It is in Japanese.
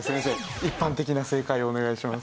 一般的な正解をお願いします。